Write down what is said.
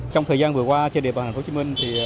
trong thời gian vừa qua trên địa bàn tp hcm